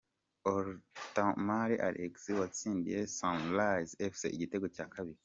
Orotomal Alex watsindiye Sunrise Fc igitego cya kabiri.